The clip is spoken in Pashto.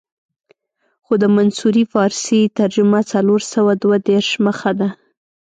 خو د منصوري فارسي ترجمه څلور سوه دوه دېرش مخه ده.